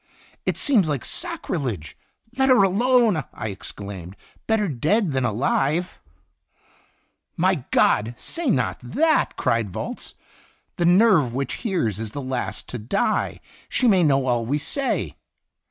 "It seems like sacrilege! Let her alone!" I exclaimed. " Better dead than alive !" "My God! say not that!" cried Volz; "the Sin Itinerant nerve which hears is last to die. She may know all we say."